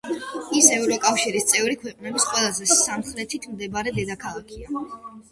ის ევროკავშირის წევრი ქვეყნების ყველაზე სამხრეთით მდებარე დედაქალაქია.